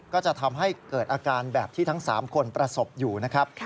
ก็จะทำให้เกิดอาการแบบที่ทั้ง๓คนประสบอยู่นะครับ